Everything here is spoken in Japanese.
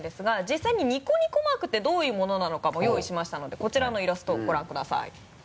実際にニコニコマークってどういうものなのかも用意しましたのでこちらのイラストをご覧ください